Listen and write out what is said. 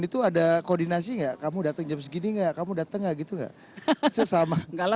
itu ada koordinasi nggak kamu datang jam segini nggak kamu datang nggak gitu nggak sesama nggak